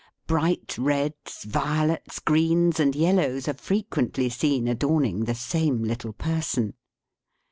Bright reds, violets, greens, and yellows are frequently seen adorn ing the same little person.